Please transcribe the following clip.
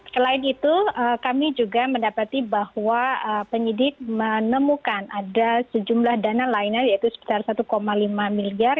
selain itu kami juga mendapati bahwa penyidik menemukan ada sejumlah dana lainnya yaitu sekitar satu lima miliar